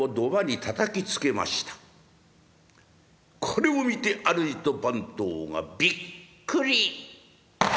これを見て主と番頭がびっくり。